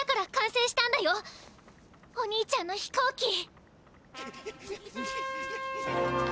お兄ちゃんの飛行機。